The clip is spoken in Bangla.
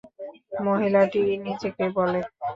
মহিলাটিই নিজেকে বলে।